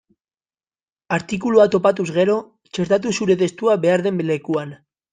Artikulua topatuz gero, txertatu zure testua behar den lekuan.